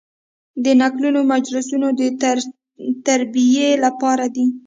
د نکلونو مجلسونه د تربیې لپاره دي.